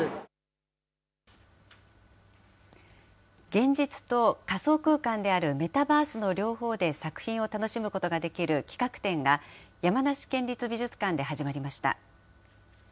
現実と仮想空間であるメタバースの両方で作品を楽しむことができる企画展が、山梨県立美術館で始まりました。